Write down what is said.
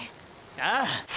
ああ！！